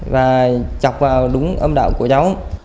và chọc vào đúng âm đạo của cháu